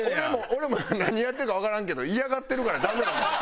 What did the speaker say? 俺も何やってるかわからんけど嫌がってるからダメなんですよ。